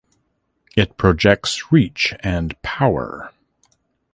It projects "reach and power".